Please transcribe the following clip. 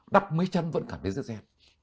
đắp mấy chân vẫn cảm thấy rất rét